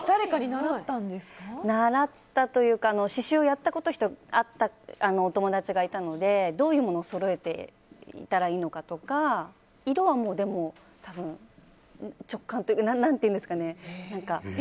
習ったというか刺しゅうをやったことがあったお友達がいたのでどういうものをそろえていったらいいのかとか色は多分、直感というか。